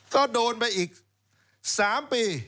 ก็โดนไปอีก๓ปี